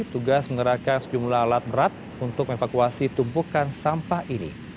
tugas mengerakkan sejumlah alat berat untuk mevakuasi tumpukan sampah ini